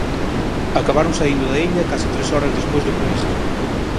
Acabaron saíndo da illa case tres horas despois do previsto.